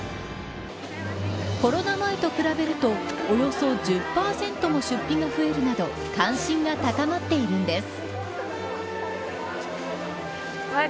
コロナ前と比べるとおよそ１０％も出費が増えるなど関心が高まっているんです。